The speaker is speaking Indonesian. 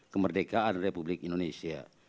kemerdekaan republik indonesia